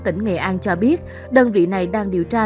tỉnh nghệ an cho biết đơn vị này đang điều tra